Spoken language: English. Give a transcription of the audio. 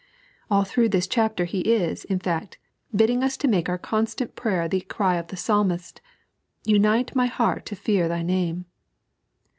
All through this ch^ter He is, in fact, bidding ua to make our constant prayer the cry of the Psalmist ;" Unite my heart to fear Thy Name."